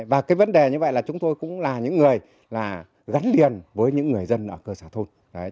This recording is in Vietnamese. và cái vấn đề như vậy là chúng tôi cũng là những người là gắn liền với những người dân ở cơ sở thôn